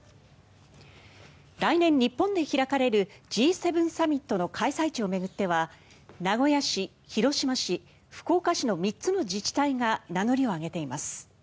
来年、日本で開かれるＧ７サミットの開催地を巡っては名古屋市、広島市、福岡市の３つの自治体が名乗りを上げています。